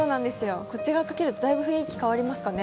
こっち側にかけると、だいぶ雰囲気変わりますかね？